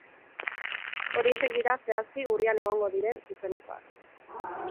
Horiexek dira, zehazki, urrian egongo diren zuzenekoak.